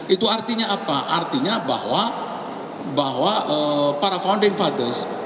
itu artinya apa artinya bahwa para founding fathers